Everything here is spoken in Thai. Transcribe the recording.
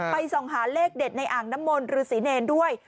ส่องหาเลขเด็ดในอ่างน้ำมนต์ฤษีเนรด้วย